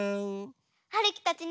はるきたちね